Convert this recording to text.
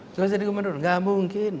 tidak usah jadi gubernur tidak mungkin